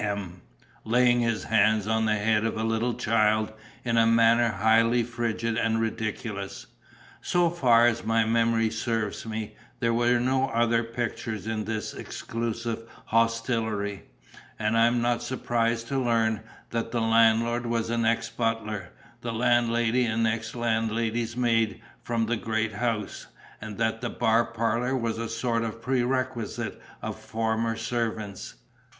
M., laying his hand on the head of a little child in a manner highly frigid and ridiculous. So far as my memory serves me, there were no other pictures in this exclusive hostelry; and I was not surprised to learn that the landlord was an ex butler, the landlady an ex lady's maid, from the great house; and that the bar parlour was a sort of perquisite of former servants.